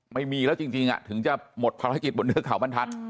ไม่มีแล้วจริงถึงจะหมดภารกิจบนเทือกเขาบรรทัศน์